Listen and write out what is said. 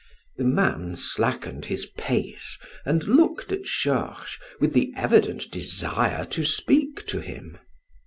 The man slackened his pace and looked at Georges with the evident desire to speak to him.